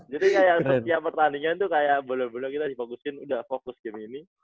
jadi kayak setiap pertandingan tuh kayak bener bener kita dipokusin udah fokus game ini